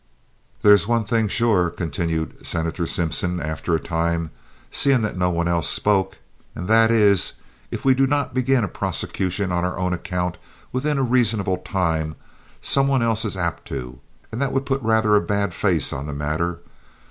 "There is one thing sure," continued Senator Simpson, after a time, seeing that no one else spoke, "and that is, if we do not begin a prosecution on our own account within a reasonable time, some one else is apt to; and that would put rather a bad face on the matter.